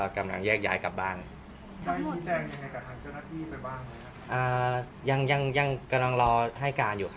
กำลังรอให้การอยู่ครับตอนนี้ครับผมก็ก็เบื้องต้นก็ให้การปฏิเสธไป